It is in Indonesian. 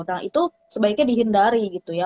nah itu sebaiknya dihindari gitu ya